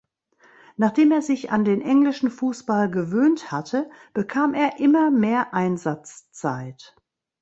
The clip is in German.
Nachdem er sich an den englischen Fußball gewöhnt hatte, bekam er immer mehr Einsatzzeit.